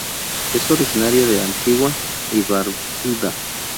Es originaria de Antigua y Barbuda.